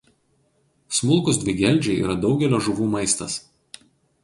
Smulkūs dvigeldžiai yra daugelio žuvų maistas.